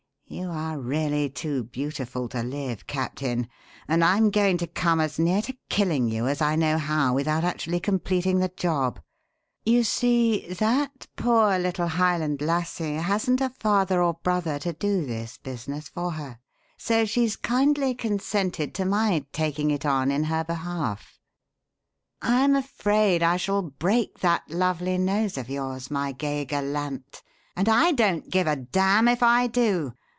You are really too beautiful to live, Captain, and I'm going to come as near to killing you as I know how without actually completing the job. You see, that poor little Highland lassie hasn't a father or brother to do this business for her, so she's kindly consented to my taking it on in her behalf. I'm afraid I shall break that lovely nose of yours, my gay gallant and I don't give a damn if I do!